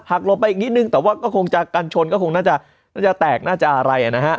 หลบไปอีกนิดนึงแต่ว่าก็คงจะกันชนก็คงน่าจะแตกน่าจะอะไรนะฮะ